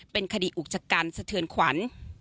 เป็นคดีอุกจากการเสทือนขวัญ